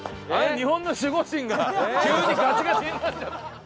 日本の守護神が急にガチガチになっちゃって。